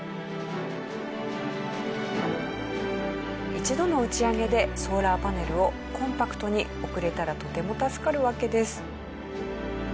一度の打ち上げでソーラーパネルをコンパクトに送れたらとても助かるわけです。